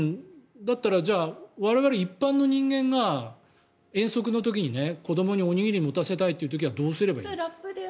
じゃあ僕ら一般の人間が子どもにおにぎりを持たせたいという時はどうすればいいんですか。